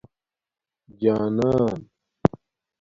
جانان